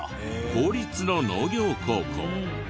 公立の農業高校。